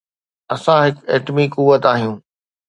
اسان هڪ ايٽمي قوت آهيون.